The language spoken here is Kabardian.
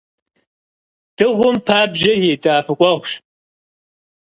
Дыгъум пабжьэр и дэӀэпыкъуэгъущ.